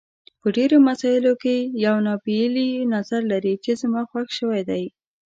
په ډېرو مسایلو کې یو ناپېیلی نظر لري چې زما خوښ شوی دی.